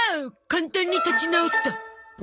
簡単に立ち直った。